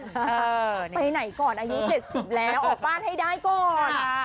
ไปไหนก่อนอายุ๗๐แล้วออกบ้านให้ได้ก่อน